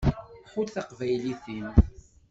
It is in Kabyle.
Ḥudd taqbaylit-im.